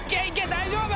大丈夫！